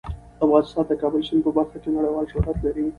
افغانستان د کابل سیند په برخه کې نړیوال شهرت لري.